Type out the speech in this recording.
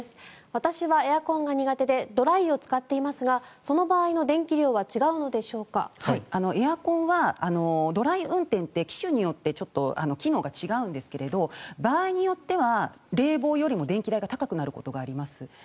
私はエアコンが苦手でドライを使っていますがその場合の電気量はエアコンはドライ運転って機種によって機能が違いますが場合によっては冷房よりも電気代が高くなることがあります。